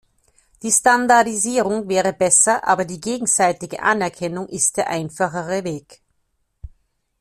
Die Standardisierung wäre besser, aber die gegenseitige Anerkennung ist der einfachere Weg.